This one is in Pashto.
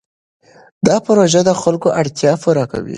دا پروژه د خلکو اړتیا پوره کوي.